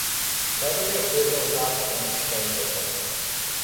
V té době obdržel Řád Františka Josefa.